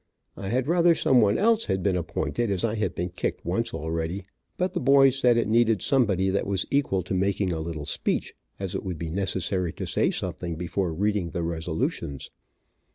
I had rather some one else had been appointed, as I had been kicked once already, but the boys said it needed somebody that was equal to making a little speech, as it would be necessary to say something before reading the resolutions.